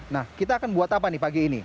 nah kita akan buat apa nih pagi ini